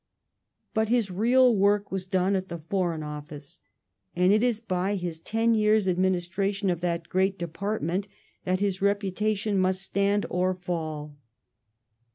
But his real work was done at the Foreign Office, and it is by his ten years' adminis tration of that great department that his reputation must stand or fall.